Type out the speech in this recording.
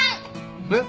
えっ？